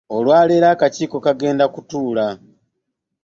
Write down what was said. Olwaleero akakiiko kagenda kutuula.